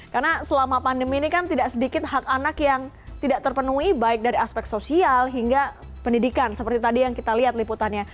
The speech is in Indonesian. karena selama pandemi ini kan tidak sedikit hak anak yang tidak terpenuhi baik dari aspek sosial hingga pendidikan seperti tadi yang kita lihat liputannya